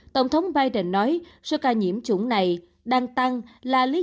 tổng thống biden nói số ca nhiễm chủng này đang tăng là lý